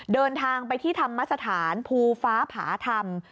เดินทางไปที่ธรรมสถานภูฟ้าผาธรรม